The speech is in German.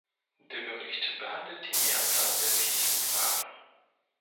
Der Bericht behandelt die Mehrzahl der wichtigsten Fragen.